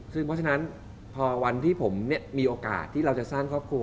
ซึ่งเพราะฉะนั้นพอวันที่ผมมีโอกาสที่เราจะสร้างครอบครัว